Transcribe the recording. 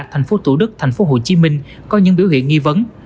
tp tủ đức tp hcm có những biểu hiện nghi vấn